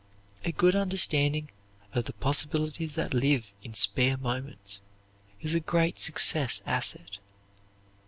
A good understanding of the possibilities that live in spare moments is a great success asset.